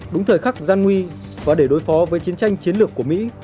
đúng thời khắc gian nguy và để đối phó với chiến tranh chiến lược của mỹ